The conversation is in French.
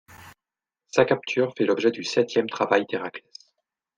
Sa capture fait l'objet du septième travail d'Héraclès.